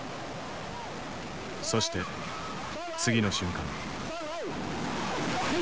そして次の瞬間。